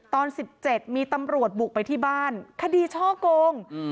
ตอน๑๗มีตำรวจบุกไปที่บ้านคดีช่อโกง